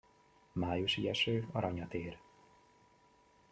Májusi eső aranyat ér.